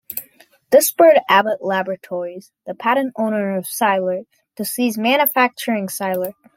This spurred Abbott Laboratories, the patent owner of Cylert, to cease manufacturing Cylert.